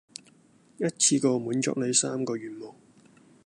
一次過滿足你三個願望